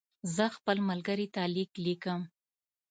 زه خپل ملګري ته لیک لیکم.